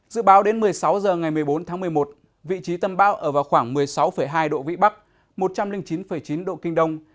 dự báo đến một mươi sáu h ngày một mươi bốn tháng một mươi một vị trí tâm bão ở vào khoảng một mươi sáu hai độ vĩ bắc một trăm linh chín chín độ kinh đông